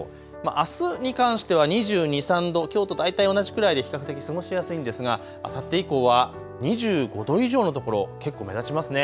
あすに関しては２２、２３度、きょうと大体同じくらいで比較的過ごしやすいんですが、あさって以降は２５度以上の所結構目立ちますね。